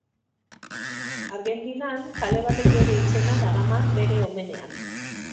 Argentinan kale batek bere izena darama, bere omenean.